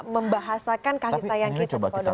membahasakan kasih sayang kita kepada orang lain